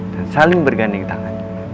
dan saling berganding tangan